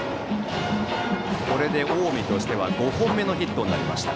これで近江は５本目のヒットになりました。